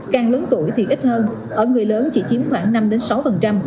càng lớn tuổi thì ít hơn ở người lớn chỉ chiếm khoảng năm sáu